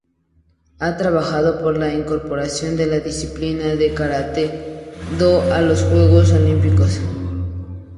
Ha trabajado por la incorporación de la disciplina del Karate-Do a los Juegos Olímpicos.